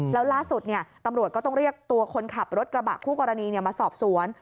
แล้วล่าสุดตำรวจก็ต้องเรียกตัวคนขับรถกระบะคู่กรณีมาสอบสวน